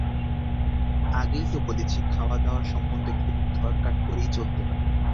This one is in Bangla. আগেই তো বলেছি, খাওয়াদাওয়া সম্বন্ধে খুব ধরকাট করেই চলতে হয়।